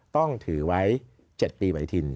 ต้องถือไว้๗ปีบริธิน